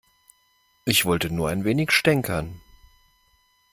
Ich wollte nur ein wenig stänkern.